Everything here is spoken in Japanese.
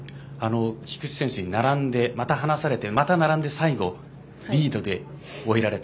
菊地選手に並んでまた並んで、離されてまた並んで最後、リードで終えられた。